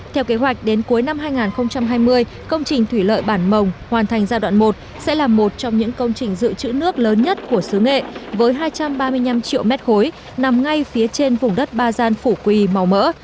theo kế hoạch đến cuối năm hai nghìn hai mươi công trình thủy lợi bản mồng hoàn thành giai đoạn một sẽ là một trong những công trình dự trữ nước lớn nhất của xứ nghệ với hai trăm ba mươi năm triệu mét khối nằm ngay phía trên vùng đất ba gian phủ quỳ màu mỡ